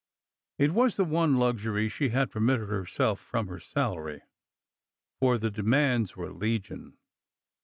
It was the one luxury she had permitted herself from her salary, for the demands were legion.